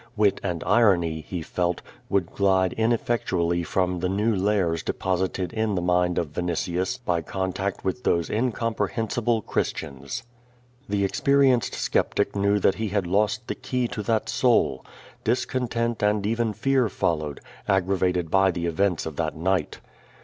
Wit and irony, he felt, would glide inelfectually from the new layers deposit imI in the mind of Vinitius by contact with those incomi)re hensible Christians. The cxjKjrienced skeptic knew that he had lost the key to that soul. Discontent and even fear followed, aggravated by the events of that niglit.